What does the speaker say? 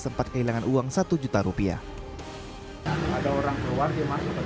sempat kehilangan uang satu juta rupiah